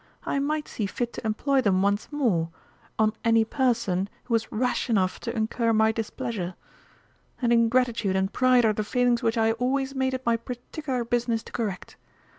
I might see fit to employ them once more on any person who was rash enough to incur my displeasure. And ingratitude and pride are the failings which I always made it my particular business to correct.